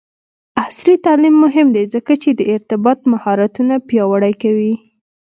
عصري تعلیم مهم دی ځکه چې د ارتباط مهارتونه پیاوړی کوي.